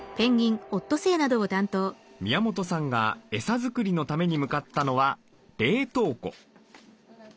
宮本さんがエサ作りのために向かったのは冷凍庫。